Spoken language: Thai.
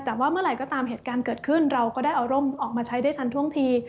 แต่ว่าเมื่อไหร่ก็ตามเหตุการณ์เกิดขึ้นเราก็ได้เอาร่มออกมาใช้ได้ทันท่วงที